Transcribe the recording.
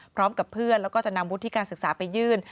พร้อมกับเพื่อนแล้วก็จะนำวุฒิการศึกษาไปยื่น